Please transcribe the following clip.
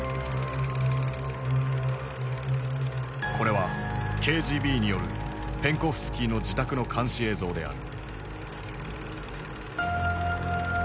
これはＫＧＢによるペンコフスキーの自宅の監視映像である。